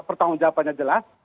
pertanggung jawabannya jelas